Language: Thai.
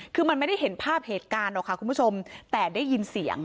คือมันไม่ได้เห็นภาพเหตุการณ์หรอกค่ะคุณผู้ชมแต่ได้ยินเสียง